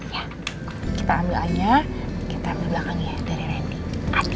ya kita ambil anya kita ambil belakangnya dari randy adi